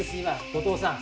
後藤さん。